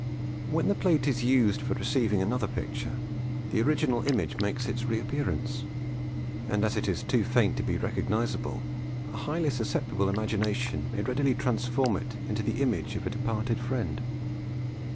When the plate is used for receiving another picture, the original image makes its reappearance, and as it is too faint to be recognisable, a highly susceptible imagination may readily transform it into the image of a departed friend.